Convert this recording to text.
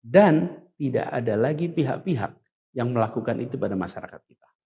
dan tidak ada lagi pihak pihak yang melakukan itu pada masyarakat kita